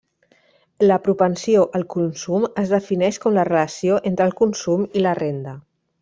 La propensió al consum es defineix com la relació entre el consum i la renda.